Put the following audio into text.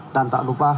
dan tak lupa